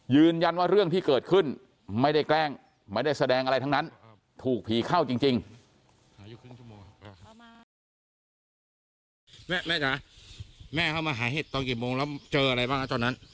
ยืนยันว่าเรื่องที่เกิดขึ้นไม่ได้แกล้งไม่ได้แสดงอะไรทั้งนั้นถูกผีเข้าจริง